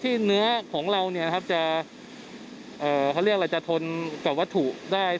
เนื้อของเราเนี่ยนะครับจะเขาเรียกอะไรจะทนกับวัตถุได้